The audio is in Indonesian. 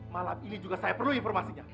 malam ini juga saya perlu informasinya